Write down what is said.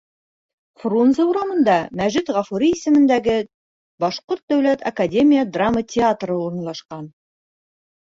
Фрунзе урамында Мәжит Ғафури исемендәге Башҡорт дәүләт академия драма театры урынлашҡан.